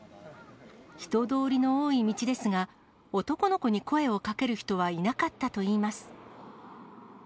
人通りの多い道ですが、男の子に声をかける人はいなかったといいます。